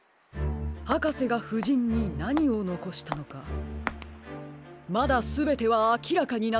はかせがふじんになにをのこしたのかまだすべてはあきらかになっていません。